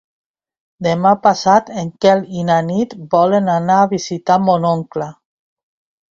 Demà passat en Quel i na Nit volen anar a visitar mon oncle.